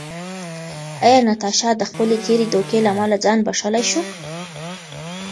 ایا ناتاشا د خپلې تېرې دوکې له امله ځان بښلی شو؟